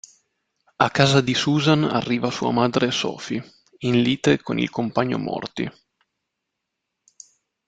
A casa di Susan arriva sua madre Sophie, in lite con il compagno Morty.